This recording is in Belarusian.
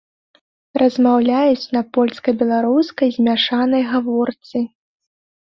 Размаўляюць на польска-беларускай змяшанай гаворцы.